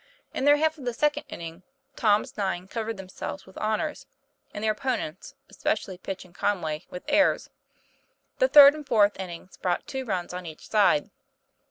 In their half of the second inning, Tom's nine covered themselves with honors, and their opponents, especially Pitch and Conway, with errors. The third and fourth innings brought two runs on each side.